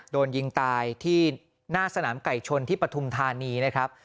โดนยิงตายที่หน้าสนามไก่ชนที่ปฐุมธานีนะครับ